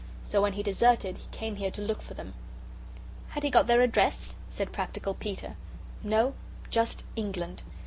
So when he deserted he came here to look for them." "Had he got their address?" said practical Peter. "No; just England.